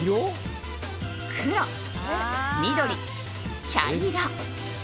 黒、緑、茶色。